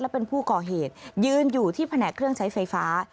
เป็นผู้ก่อเหตุยืนอยู่ที่แผนกเครื่องใช้ไฟฟ้า